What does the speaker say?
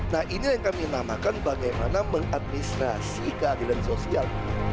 nah ini yang kami namakan bagaimana mengadministrasi keadilan sosial